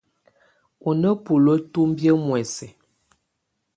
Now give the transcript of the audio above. Ú ná buluǝ́ tumbiǝ́ muɛsɛ.